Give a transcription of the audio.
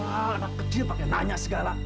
anak kecil pakai nanya segala